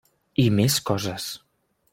I més coses.